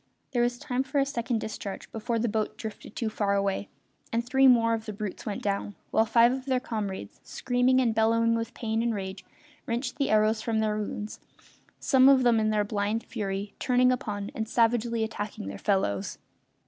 There was time for a second discharge before the boat drifted too far away, and three more of the brutes went down, while five of their comrades, screaming and bellowing with pain and rage, wrenched the arrows from their wounds, some of them in their blind fury turning upon and savagely attacking their fellows.